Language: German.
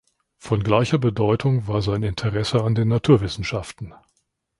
Von gleicher Bedeutung war sein Interesse an den Naturwissenschaften.